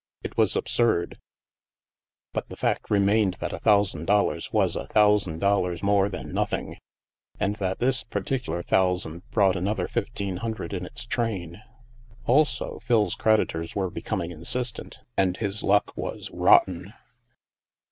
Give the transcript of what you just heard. It was absurd. But the fact remained that a thousand dollars was a thousand dollars more than nothing, and that this particular thousand brought another fifteen hundred in its train. Also, Phil's creditors were becoming insistent, and his luck was " rotten."